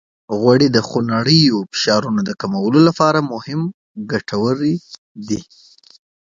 غوړې د خونړیو فشارونو د کمولو لپاره هم ګټورې دي.